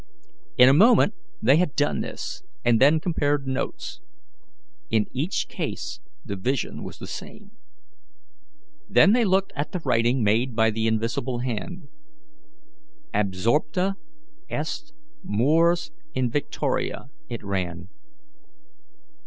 In a moment they had done this, and then compared notes. In each case the vision was the same. Then they looked at the writing made by the invisible hand. "Absorpta est mors in Victoria," it ran.